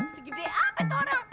sebesar apa itu orang